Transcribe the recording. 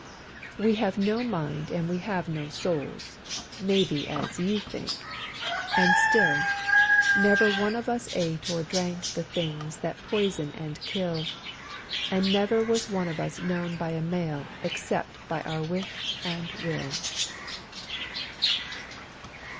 We have no mind and we have no souls, maybe as you think—And still, Never one of us ate or drank the things that poison and kill, And never was one of us known by a male except by our wish and will.